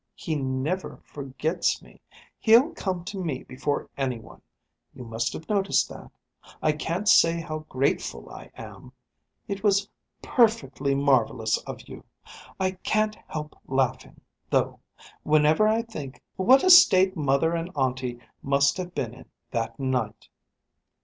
He never forgets me. He'll come to me before anyone. You must have noticed that. I can't say how grateful I am! It was perfectly marvellous of you! I can't help laughing, though, whenever I think what a state mother and auntie must have been in that night!"